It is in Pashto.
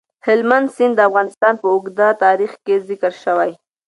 هلمند سیند د افغانستان په اوږده تاریخ کې ذکر شوی.